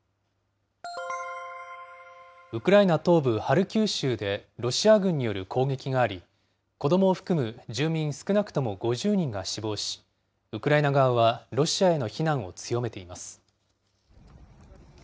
ウクライナ東部ハルキウ州でロシア軍による攻撃があり、子どもを含む住民少なくとも５０人が死亡し、ウクライナ側はロシアへの非難を強めています。